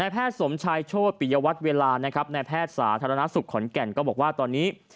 แพทย์สมชายโชธปิยวัตรเวลานะครับนายแพทย์สาธารณสุขขอนแก่นก็บอกว่าตอนนี้